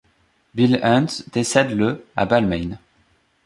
Bill Hunt décède le à Balmain.